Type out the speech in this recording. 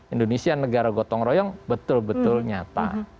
indonesia negara gotong royong betul betul nyata